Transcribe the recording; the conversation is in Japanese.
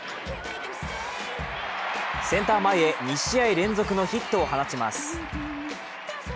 センター前へ２試合連続のヒットを放ちます。